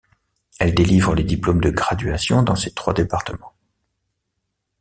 Elle délivre les diplômes de graduation dans ces trois départements.